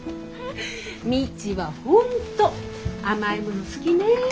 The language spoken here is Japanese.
未知は本当甘いもの好きね。